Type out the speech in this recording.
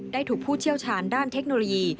ถูกผู้เชี่ยวชาญด้านเทคโนโลยี